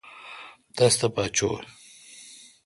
تس تھہ پہ چو°ی۔